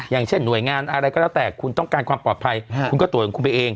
อย่างเช่นหน่วยงานอะไรก็แล้วแต่คุณต้องการความปลอดภัยคุณก็ตรวจของคุณไปเอง